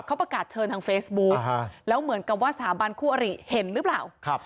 เขาประกาศเชิญทางเฟซบุ๊กแล้วเหมือนกับว่าสถาบันคู่อริเห็นหรือเปล่าครับ